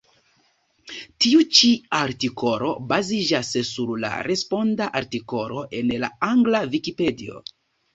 Tiu ĉi artikolo baziĝas sur la responda artikolo en la angla Vikipedio.